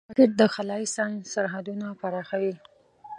راکټ د خلایي ساینس سرحدونه پراخوي